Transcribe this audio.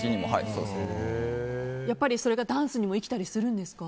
やっぱりそれがダンスにも生きたりするんですか？